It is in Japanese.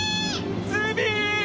ズビ！